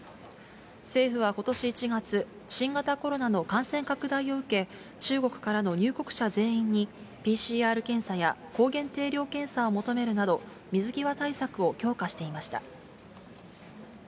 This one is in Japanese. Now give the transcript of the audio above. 政府はことし１月、新型コロナの感染拡大を受け、中国からの入国者全員にＰＣＲ検査や抗原定量検査を求めるなど、水際対策を強化していました。